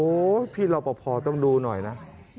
โอ้โฮพี่ราวปะพอต้องดูหน่อยนะ